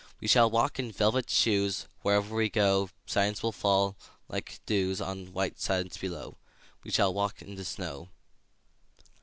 We shall walk in velvet shoes: Wherever we go Silence will fall like dews On white silence below. We shall walk in the snow.